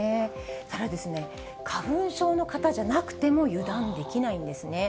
ただ、花粉症の方でなくても、油断できないんですね。